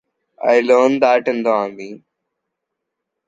I learned that in the army.